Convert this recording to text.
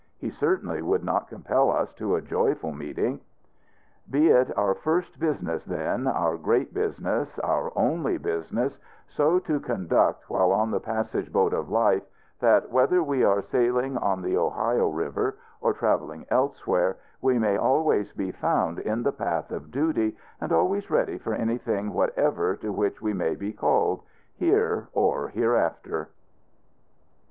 He certainly would not compel us to a joyful meeting. Be it our first business, then, our great business, our only business, so to conduct while on the passage boat of life, that whether we are sailing on the Ohio River, or traveling elsewhere, we may always be found in the path of duty, and always ready for anything whatever to which we may be called, here or hereafter.